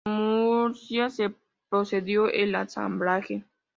En Murcia se procedió al ensamblaje.